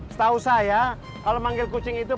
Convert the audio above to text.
setahu saya kalau manggil kucing itu